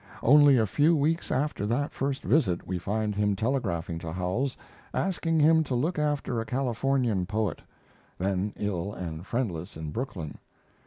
Only a few weeks after that first visit we find him telegraphing to Howells, asking him to look after a Californian poet, then ill and friendless in Brooklyn.